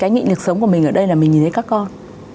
cái nghị lực sống của mình ở đây là mình nhìn thấy các con